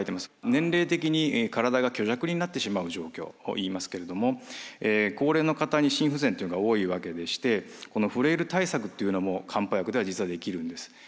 年齢的に体が虚弱になってしまう状況をいいますけれども高齢の方に心不全というのが多いわけでしてこのフレイル対策というのも漢方薬では実はできるんです。